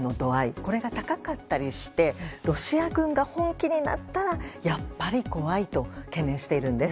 これが高かったりしてロシア軍が本気になったらやっぱり怖いと懸念しているんです。